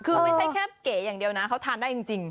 คือไม่ใช่แค่เก๋อย่างเดียวนะเขาทานได้จริง